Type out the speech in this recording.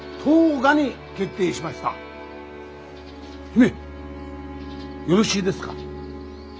姫よろしいですか？